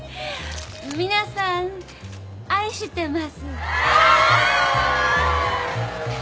皆さん愛してマス。